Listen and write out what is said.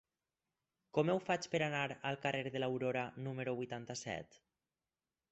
Com ho faig per anar al carrer de l'Aurora número vuitanta-set?